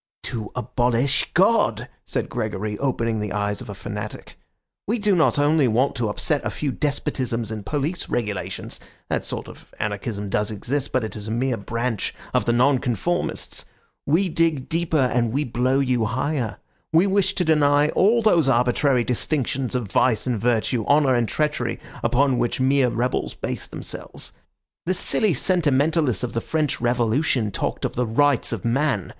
"To abolish God!" said Gregory, opening the eyes of a fanatic. "We do not only want to upset a few despotisms and police regulations; that sort of anarchism does exist, but it is a mere branch of the Nonconformists. We dig deeper and we blow you higher. We wish to deny all those arbitrary distinctions of vice and virtue, honour and treachery, upon which mere rebels base themselves. The silly sentimentalists of the French Revolution talked of the Rights of Man!